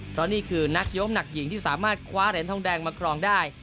เพราะนี่คือนักโยมหนักหญิงที่สามารถคว้าเหรียญทองแดงมาครองได้